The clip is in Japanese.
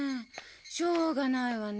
しょうがないわね。